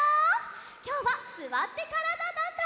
きょうは「すわってからだ☆ダンダン」！